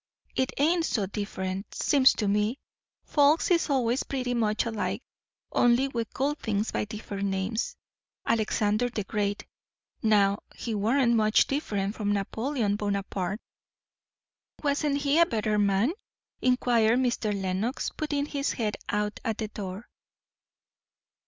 "It ain't so different. 'Seems to me, folks is allays pretty much alike; only we call things by different names. Alexander the Great, now, he warn't much different from Napoleon Buonaparte." "Wasn't he a better man?" inquired Mr. Lenox, putting his head out at the door.